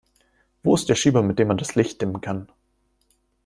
Wo ist der Schieber, mit dem man das Licht dimmen kann?